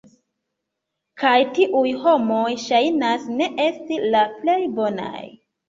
Kaj tiuj homoj ŝajnas ne esti la plej bonaj